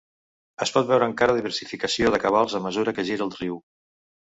Es pot veure encara diversificació de cabals a mesura que gira el riu.